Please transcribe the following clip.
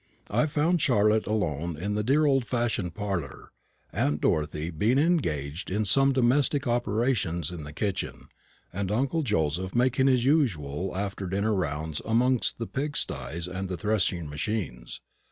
I found Charlotte alone in the dear old fashioned parlour, aunt Dorothy being engaged in some domestic operations in the kitchen, and uncle Joseph making his usual after dinner rounds amongst the pig styes and the threshing machines.